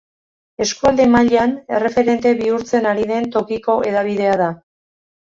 Eskualde mailan erreferente bihurtzen ari den tokiko hedabidea da.